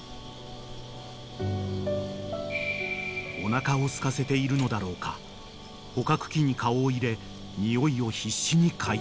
［おなかをすかせているのだろうか捕獲器に顔を入れ匂いを必死に嗅いでいる］